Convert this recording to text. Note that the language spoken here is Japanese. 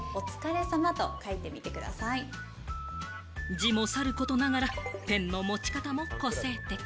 字もさることながら、ペンの持ち方も個性的。